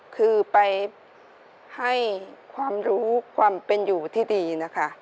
คือไปให้ความรู้ความเป็นอยู่ที่ดีนะคะ